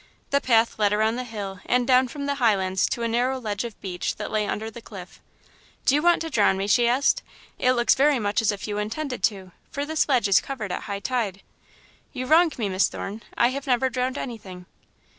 The path led around the hill and down from the highlands to a narrow ledge of beach that lay under the cliff. "Do you want to drown me?" she asked. "It looks very much as if you intended to, for this ledge is covered at high tide." "You wrong me, Miss Thorne; I have never drowned anything."